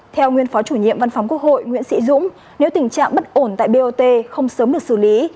theo nguyên phó chủ nhiệm văn phòng quốc hội nguyễn sĩ dũng nếu tình trạng bất ổn tại bot không sớm được xử lý